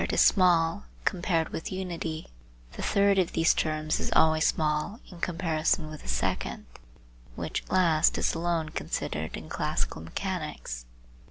18 is small compared with unity, the third of these terms is always small in comparison with the second, which last is alone considered in classical mechanics.